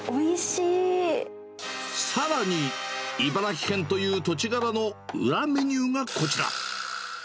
さらに、茨城県という土地柄の裏メニューがこちら。